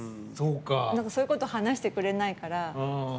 そういうこと話してくれないから。